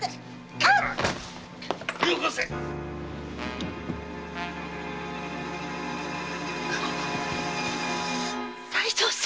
よこせ才三さん。